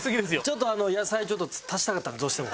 ちょっと野菜足したかったのどうしても。